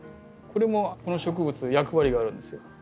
これもこの植物役割があるんですよ。